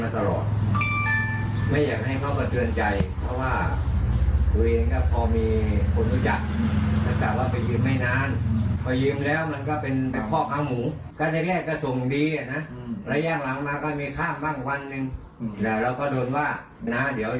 เสียงกว่าแล้ว